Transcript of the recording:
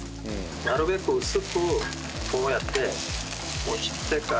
なるべく薄くこうやって押してから。